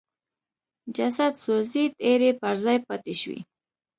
جسد سوځېد ایرې پر ځای پاتې شوې.